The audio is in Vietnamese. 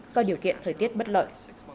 do điều kiện thời tiết bất lợi